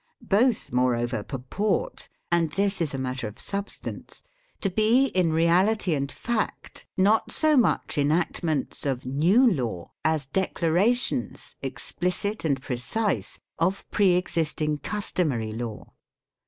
Both moreover purport and this is a matter of substance to be in reality and fact not so much enactments of new law as declarations, explicit and precise, of pre existing customary law.